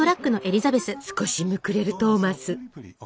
少しむくれるトーマス。